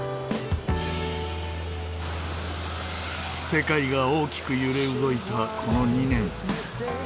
世界が大きく揺れ動いたこの２年。